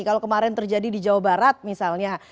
kalau kemarin terjadi di jawa barat misalnya